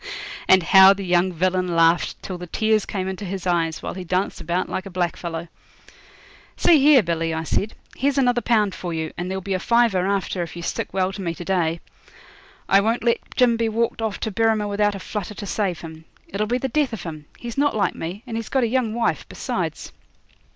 And how the young villain laughed till the tears came into his eyes, while he danced about like a blackfellow. 'See here, Billy,' I said, 'here's another pound for you, and there'll be a fiver after if you stick well to me to day. I won't let Jim be walked off to Berrima without a flutter to save him. It'll be the death of him. He's not like me, and he's got a young wife besides.'